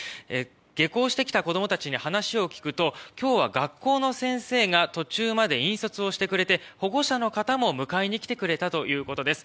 下校してきた子供たちに話を聞くと今日は学校の先生が途中まで引率をしてくれて保護者の方も迎えに来てくれたということです。